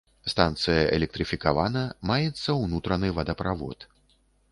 Станцыя электрыфікавана, маецца ўнутраны вадаправод.